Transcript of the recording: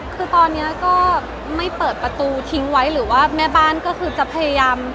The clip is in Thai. คือตอนนี้ก็ไม่เปิดประตูทิ้งไว้หรือว่าแม่บ้านก็คือจะพยายาม